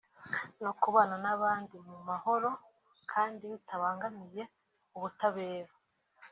no kubana n’abandi mu mahoro ; kandi bitabangamiye ubutabera